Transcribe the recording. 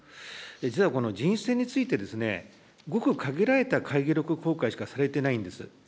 実はこの人選について、ごく限られた会議録公開しかされてないんです。